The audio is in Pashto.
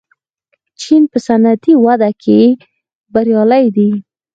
چین په صنعتي وده کې بریالی دی.